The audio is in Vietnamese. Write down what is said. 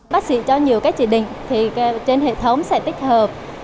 bác sĩ cho nhiều cái chỉ định thì trên hệ thống sẽ tích hợp